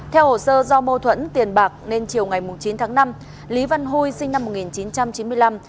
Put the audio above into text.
theo hồ sơ do mâu thuẫn tiền bạc nên chiều ngày chín tháng năm lý văn huy sinh năm một nghìn chín trăm chín mươi năm